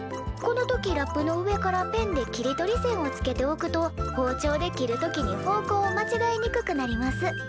この時ラップの上からペンで切り取り線をつけておくと包丁で切る時に方向を間違えにくくなります。